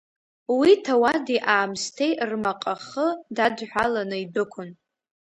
Уи ҭауади-аамсҭеи рмаҟахы дадҳәаланы идәықәын.